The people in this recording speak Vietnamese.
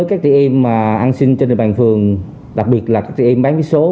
ăn xin trên địa bàn phường đặc biệt là các chị em bán ví số